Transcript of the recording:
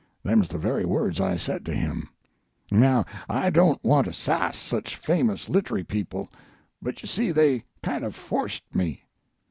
Them's the very words I said to him. Now I don't want to sass such famous littery people, but you see they kind of forced me.